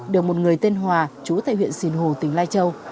được một người tên hòa trú tại huyện xìn hồ tỉnh lai châu